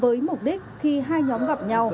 với mục đích khi hai nhóm gặp nhau